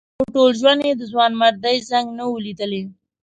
خو په ټول ژوند یې د ځوانمردۍ زنګ نه و لیدلی.